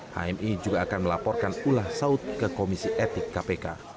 hmi juga akan melaporkan ulah saud ke komisi etik kpk